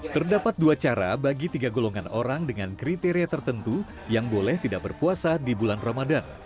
terdapat dua cara bagi tiga golongan orang dengan kriteria tertentu yang boleh tidak berpuasa di bulan ramadan